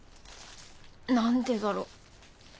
何でだろ？